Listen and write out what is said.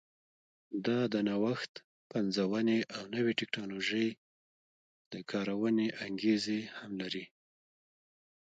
دا د نوښت، پنځونې او نوې ټکنالوژۍ د کارونې انګېزې هم لري.